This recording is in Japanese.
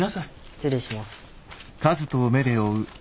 失礼します。